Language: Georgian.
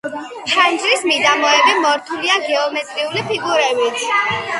ფანჯრის მიდამოები მორთულია გეომეტრიული ფიგურებით.